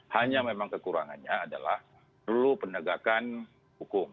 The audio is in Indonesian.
hanya memang kekurangannya adalah perlu penegakan hukum